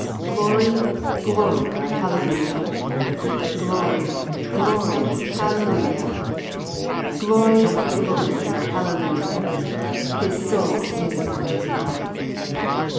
Glory, glory, hallelujah! Glory, glory, hallelujah! Glory, glory, hallelujah! His soul is marching on.